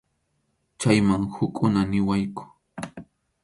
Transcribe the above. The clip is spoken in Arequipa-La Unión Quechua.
Chayman hukkuna niwaqku.